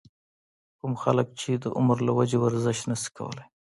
کوم خلک چې د عمر له وجې ورزش نشي کولے